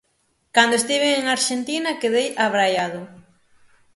Cando estiven en Arxentina quedei abraiado.